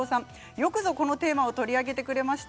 よくぞこのテーマを取り上げてくれました。